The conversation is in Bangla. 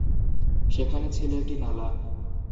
সেখানে ছিল একটি নালা।